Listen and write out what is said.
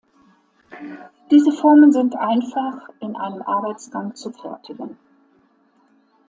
Diese Formen sind einfach in einem Arbeitsgang zu fertigen.